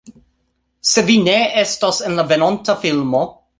Se vi ne estos en la venonta filmo